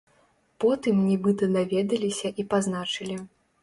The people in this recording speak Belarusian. Потым нібыта даведаліся і пазначылі.